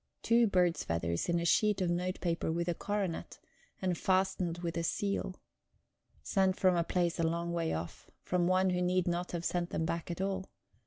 Two bird's feathers in a sheet of note paper with a coronet, and fastened with a seal. Sent from a place a long way off; from one who need not have sent them back at all.